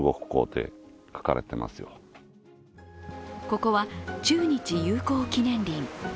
ここは、中日友好記念林。